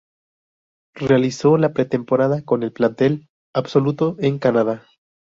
Realizó la pretemporada con el plantel absoluto, en Canadá.